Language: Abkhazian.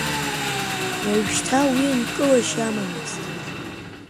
Уажәшьҭа уи нкылашьа амамызт.